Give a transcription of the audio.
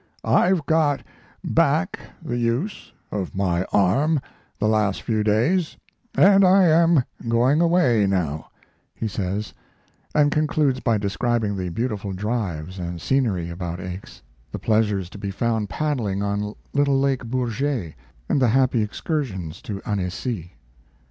"I've got back the use of my arm the last few days, and I am going away now," he says, and concludes by describing the beautiful drives and scenery about Aix the pleasures to be found paddling on little Lake Bourget and the happy excursions to Annecy.